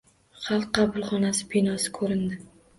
Xalq qabulxonasi binosi ko‘rindi.